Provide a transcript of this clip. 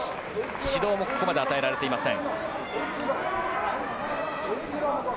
指導もここまで与えられていません。